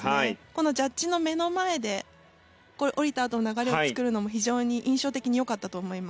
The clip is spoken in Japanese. このジャッジの目の前で降りたあとの流れを作るのも非常に印象的に良かったと思います。